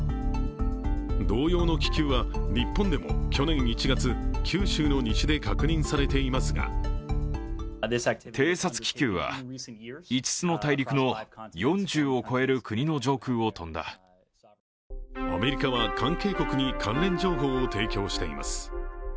同様の気球は日本でも去年１月、九州の西で確認されていますがアメリカは関係国に関連情報を提供しています。